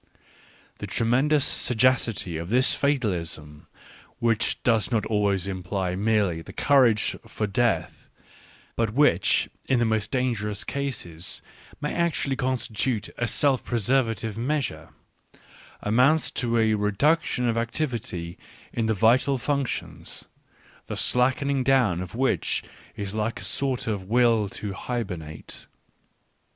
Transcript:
... The tremendous sagacity of this fatalism, which does not always imply merely the courage for death, but which in the most dangerous cases may actually constitute a self preservative measure, amounts to a reduction of activity in the vital Digitized by Google WHY I AM SO WISE 21 functions, the slackening down of which is like a sort of will to hibernate.